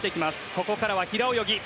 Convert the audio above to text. ここからは平泳ぎ。